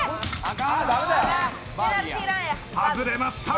外れました。